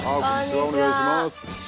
お願いします。